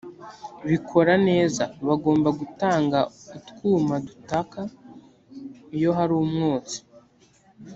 bikora neza. bagomba gutanga utwuma dutaka iyo hari umwotsi